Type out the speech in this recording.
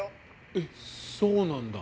えそうなんだ。